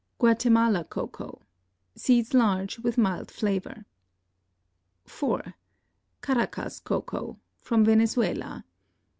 Guatemala Cocoa.—Seeds large, with mild flavor. 4. Caracas Cocoa.—From Venezuela.